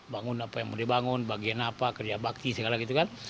bangun apa yang mau dibangun bagian apa kerja bakti segala gitu kan